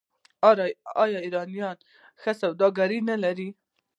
آیا ایرانیان ښه سوداګر نه دي؟